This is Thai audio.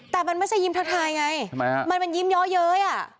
แต่มันไม่ใช่ยิ้มทักทายไงทำไมฮะมันมันยิ้มย้อเย้ยอ่ะ